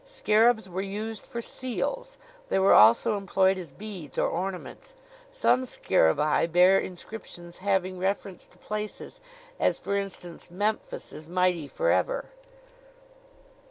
Scarabs were used for seals. They were also employed as beads or ornaments. Some scarabaei bear inscriptions having reference to places; as, for instance: 'Memphis is mighty forever.'"